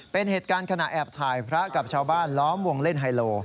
เป็นเหตุการณ์ขณะแอบถ่ายพระกับชาวบ้านล้อมวงเล่นไฮโล